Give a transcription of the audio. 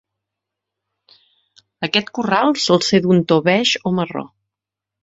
Aquest corral sol ser d'un to beix o marró.